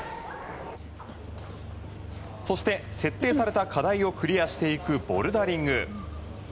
そして、設定された課題をクリアしていくボルダリング。